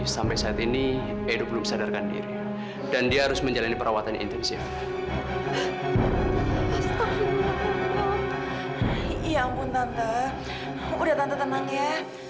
sampai jumpa di video selanjutnya